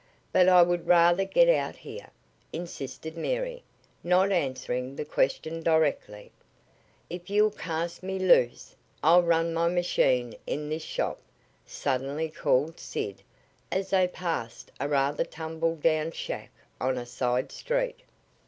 "But I would rather get out here," insisted Mary, not answering the question directly. "If you'll cast me loose, I'll run my machine in this shop," suddenly called Sid, as they passed a rather tumble down shack on a side street.